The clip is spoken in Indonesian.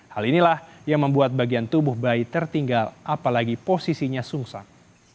hal inilah yang membuat bagian tubuh bayi tertinggal apalagi posisinya sungsak